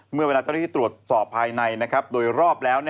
เมื่อเวลาเจ้าหน้าที่ตรวจสอบภายในโดยรอบแล้ว